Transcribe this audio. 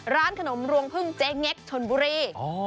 ร้านขนมรวงพึ่งเจ๊เง็กชนบุรี